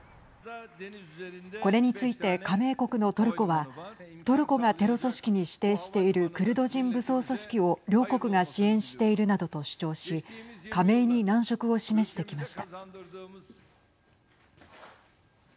これについて、加盟国のトルコはトルコがテロ組織に指定しているクルド人武装組織を両国が支援しているなどと主張し加盟に難色を示してきました。